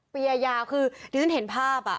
เปียร์ยาวคือดิฉันเห็นภาพอะ